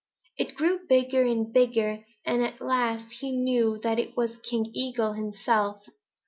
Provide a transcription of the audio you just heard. It grew bigger and bigger, and at last he knew that it was King Eagle himself.